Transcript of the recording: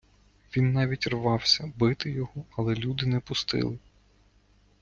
Він навіть рвався бити його, але люди не пустили.